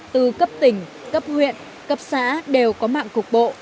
từ cấp tỉnh cấp huyện cấp xã đều có mạng cục bộ